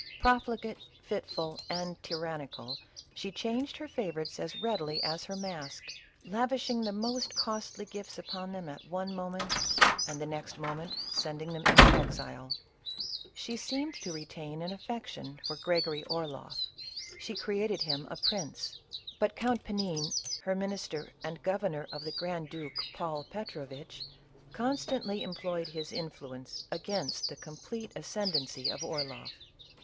Profligate, fitful and tyrannical, she changed her favorites as readily as her mask, lavishing the most costly gifts upon them at one moment, and the next moment sending them into exile. She seemed to re tain an affection for Gregory Orloff ; she created him a prince, but Count Panin, her minister and governor of the grand duke Paul Petrovitch, constantly employ ed his influence against the complete ascendency of Orloff.